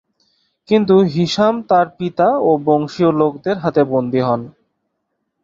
কিন্তু হিশাম তার পিতা ও বংশীয় লোকদের হাতে বন্দী হন।